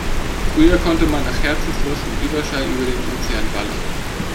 Früher konnte man nach Herzenslust mit Überschall über den Ozean ballern.